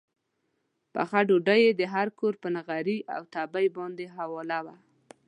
پخه ډوډۍ یې د هر کور پر نغري او تبۍ باندې حواله وه.